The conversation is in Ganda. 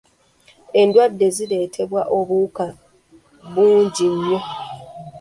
Endwadde ezireetebwa obuwuka nnyingi nnyo.